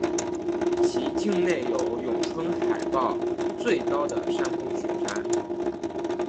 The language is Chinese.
其境内有永春海报最高的山峰雪山。